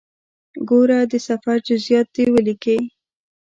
ګوره د سفر جزئیات دې ولیکې.